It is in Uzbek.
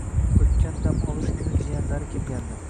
O`tgan dam olish kuni jiyanlari kelgandi